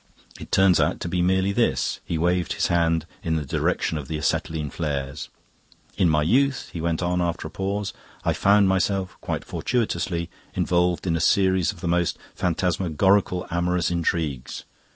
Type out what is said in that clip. It turns out to be merely this." He waved his hand in the direction of the acetylene flares. "In my youth," he went on after a pause, "I found myself, quite fortuitously, involved in a series of the most phantasmagorical amorous intrigues.